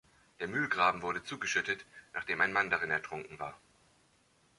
Der Mühlgraben wurde zugeschüttet, nachdem ein Mann darin ertrunken war.